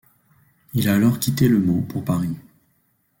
Il a alors quitté Le Mans pour Paris.